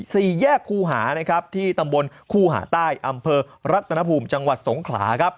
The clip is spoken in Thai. สี่แยกครูหานะครับที่ตำบลคู่หาใต้อำเภอรัตนภูมิจังหวัดสงขลาครับ